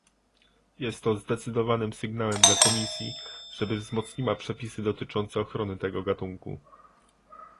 Jest to zdecydowanym sygnałem dla Komisji, żeby wzmocniła przepisy dotyczące ochrony tego gatunku